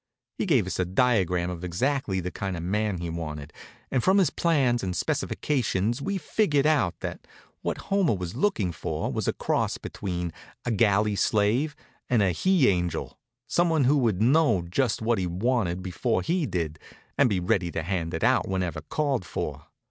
He gave us a diagram of exactly the kind of man he wanted, and from his plans and specifications we figured out that what Homer was looking for was a cross between a galley slave and a he angel, some one who would know just what he wanted before he did, and be ready to hand it out whenever called for.